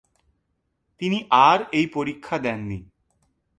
তিনি আর এই পরীক্ষা দেননি।